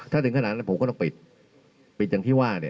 ถ้าถึงขนาดนั้นผมก็ต้องปิดปิดจังหวัดนี่